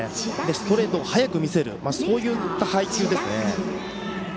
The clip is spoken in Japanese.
ストレートを速く見せるそういった配球ですね。